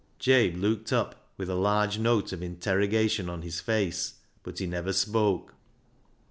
Jabe looked up with a large note of interroga tion on his face, but he never spoke.